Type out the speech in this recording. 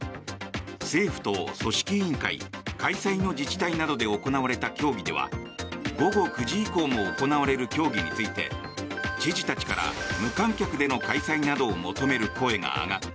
政府と組織委員会、開催の自治体などで行われた協議では午後９時以降も行われる競技について知事たちから無観客での開催などを求める声が上がった。